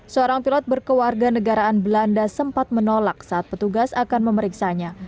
seorang pilot berkewarga negaraan belanda sempat menolak saat petugas akan memeriksanya